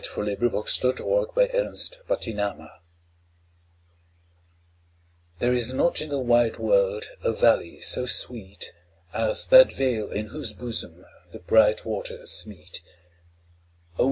The Meeting of the Waters THERE is not in the wide world a valley so sweet As that vale in whose bosom the bright waters meet; Oh!